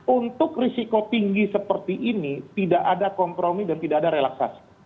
untuk risiko tinggi seperti ini tidak ada kompromi dan tidak ada relaksasi